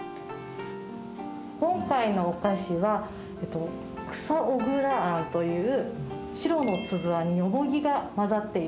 今回のお菓子は草小倉あんという白のつぶあんにヨモギが混ざっている。